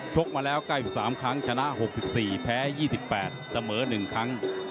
กมาแล้ว๙๓ครั้งชนะ๖๔แพ้๒๘เสมอ๑ครั้ง